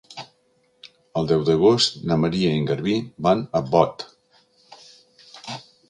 El deu d'agost na Maria i en Garbí van a Bot.